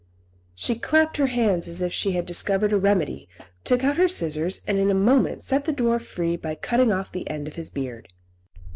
She clapped her hands as if she had discovered a remedy, took out her scissors, and in a moment set the dwarf free by cutting off the end of his beard.